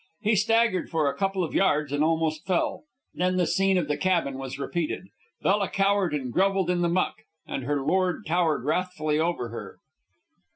He staggered for a couple of yards and almost fell. Then the scene of the cabin was repeated. Bella cowered and grovelled in the muck, and her lord towered wrathfully over her.